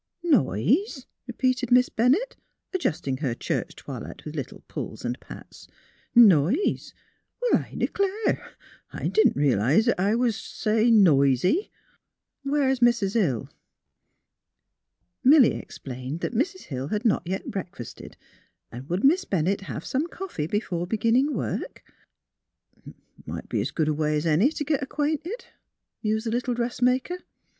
Noise? " repeated Miss Bennett, adjusting her church toilet with little pulls and pats. '' Noise! Well, I d'clare; I didn't realise 'at I was so t' say, noisy. Where's Mis' Hill? " 187 188 THE HEAET OF PHILURA Milly explained that Mrs. Hill had not yet breakfasted, and would Miss Bennett have some coffee before beginning work? '' Might be's good a way 's any t' git ac quainted," mused the little dressmaker.